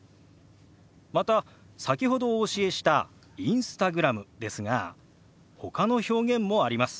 また先ほどお教えした「Ｉｎｓｔａｇｒａｍ」ですがほかの表現もあります。